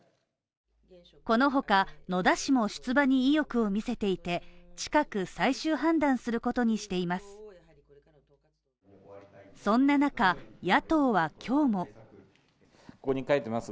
この他、野田氏も出馬に意欲を見せていて、近く最終判断することにしています。